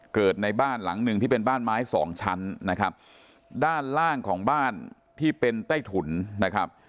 เกิดในบ้านหลังหนึ่งที่เป็นบ้านไม้สองชั้นนะครับด้านล่างของบ้านที่เป็นใต้ถุนนะครับ